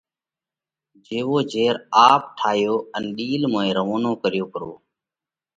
جيوو جھير آپ ٺايو ان ڏِيل ۾ روَونو ڪريو پرو۔